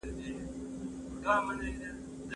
ولي هڅاند سړی د لوستي کس په پرتله لوړ مقام نیسي؟